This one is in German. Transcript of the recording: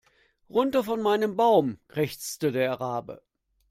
Runter von meinem Baum, krächzte der Rabe.